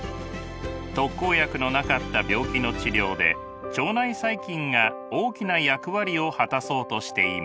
特効薬のなかった病気の治療で腸内細菌が大きな役割を果たそうとしています。